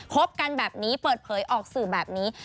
บกันแบบนี้เปิดเผยออกสื่อแบบนี้